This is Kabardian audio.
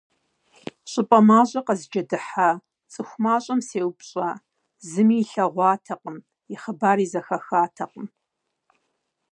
ЩӀыпӀэ мащӀэ къэзджэдыхьа, цӀыху мащӀэм сеупщӀа - зыми илъэгъуатэкъым, и хъыбари зэхахатэкъым.